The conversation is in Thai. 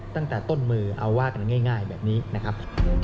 ตั้งแต่ต้นมือเอาว่ากันง่ายแบบนี้นะครับ